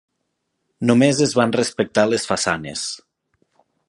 Només es van respectar les façanes.